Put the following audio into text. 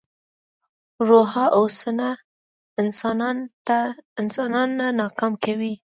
روا هوسونه انسان نه ناکام کوي.